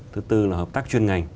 thứ tư là hợp tác chuyên ngành